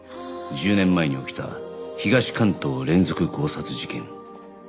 １０年前に起きた東関東連続強殺事件